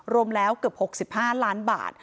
รวมแล้วเกือบ๖๕ล้านบาท